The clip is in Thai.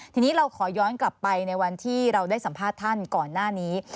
ทีนี้เราขอย้อนกลับไปในวันที่เราได้สัมภาษณ์ท่านก่อนหน้านี้